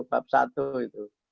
bab satu itu